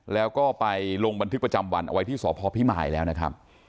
แล้วก็ไปลงบันทึกประจำวันเอาไว้ที่สพพิมายแล้วนะครับ